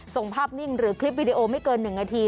ส่งภาพนิ่งหรือคลิปวิดีโอไม่เกิน๑นาที